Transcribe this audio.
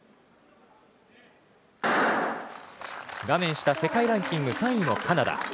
画面下が世界ランキング３位のカナダ。